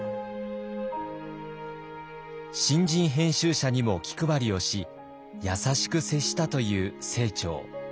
新人編集者にも気配りをし優しく接したという清張。